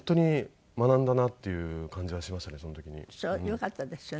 よかったですよね。